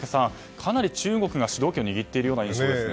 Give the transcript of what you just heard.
かなり中国が主導権を握っている印象ですね。